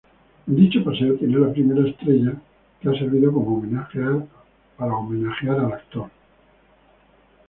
En dicho paseo tiene la primera estrella, que ha servido para homenajear al actor.